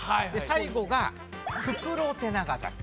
最後がフクロテナガザル。